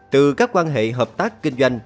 từ các quan hệ hợp tác kinh doanh